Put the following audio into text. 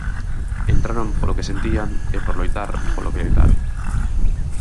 Entraron polo que sentían e por loitar polo que loitaron.